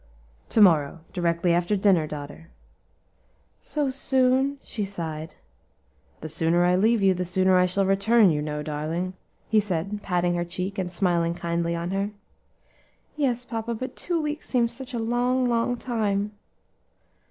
"To morrow, directly after dinner, daughter." "So soon," she sighed. "The sooner I leave you the sooner I shall return, you know, darling," he said, patting her cheek, and smiling kindly on her. "Yes, papa; but two weeks seems such a long, long time."